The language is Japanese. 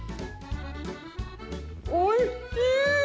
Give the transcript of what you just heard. おいしい！